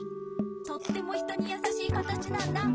とっても人にやさしい形なんだ。